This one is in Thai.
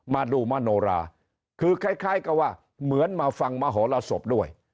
มาดูมโนราคือคล้ายกับว่าเหมือนมาฟังมโหลสบด้วย